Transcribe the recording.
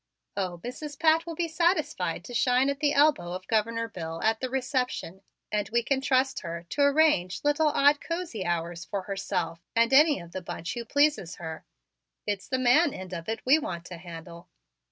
"Oh, Mrs. Pat will be satisfied to shine at the elbow of Governor Bill at the reception and we can trust her to arrange little odd cosy hours for herself and any of the bunch who pleases her. It's the man end of it we want to handle."